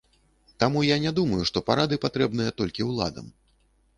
Таму я не думаю, што парады патрэбныя толькі ўладам.